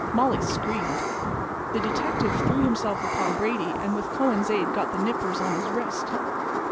Molly screamed. The detective threw himself upon Brady and with Kohen's aid got the nippers on his wrist.